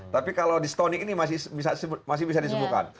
tapi kalau distonik ini masih bisa disembuhkan